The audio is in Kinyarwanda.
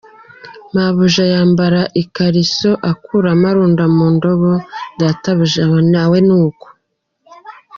Mabuja yambara ikariso akuramo arunda mu ndobo, databuja nawe nuko.